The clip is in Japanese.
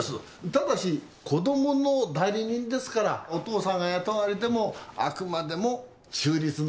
ただし子供の代理人ですからお父さんが雇われてもあくまでも中立の立場ですよ。